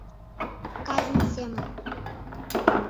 Казин семын